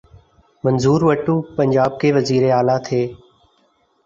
منظور وٹو پنجاب کے وزیر اعلی تھے۔